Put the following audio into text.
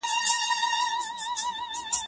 اختلاف بايد د دښمنۍ لامل نشي.